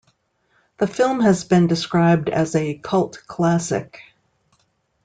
The film has been described as a "cult classic".